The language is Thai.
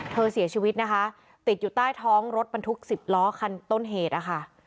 เสียชีวิตนะคะติดอยู่ใต้ท้องรถบรรทุก๑๐ล้อคันต้นเหตุนะคะ